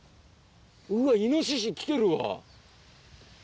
うわっ、イノシシ来てるわ！